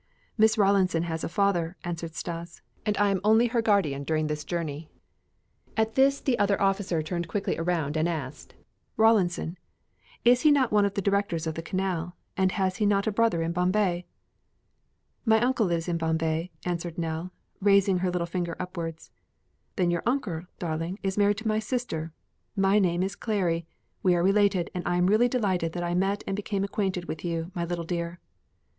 "Miss Rawlinson has a father," answered Stas, "and I am only her guardian during this journey." At this the other officer turned quickly around and asked: "Rawlinson? Is he not one of the directors of the Canal and has he not a brother in Bombay?" "My uncle lives in Bombay," answered Nell, raising her little finger upwards. "Then your uncle, darling, is married to my sister. My name is Clary. We are related, and I am really delighted that I met and became acquainted with you, my little dear."